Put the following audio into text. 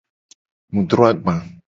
Mu dro agba.